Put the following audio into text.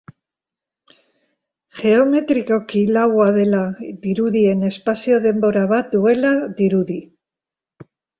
Geometrikoki laua dela dirudien espazio-denbora bat duela dirudi.